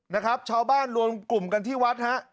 นะครับชาวบ้านรวมกลุ่มกันที่วัดฮะ